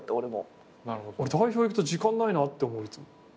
代表行くと時間ないなって思ういつも。